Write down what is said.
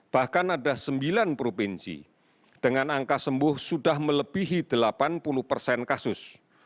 bahkan ada sembilan provinsi dengan angka sembuh sudah melebihi delapan puluh persen kasus